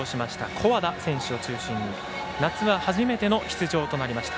古和田選手を中心に夏は初めての出場となりました。